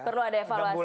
perlu ada evaluasi betul